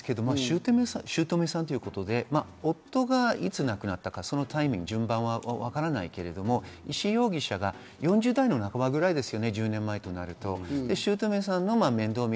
姑さんということで夫がいつ亡くなったか、タイミング、順番はわからないけれど石井容疑者が４０代半ばぐらいですね、１０年前といいますと。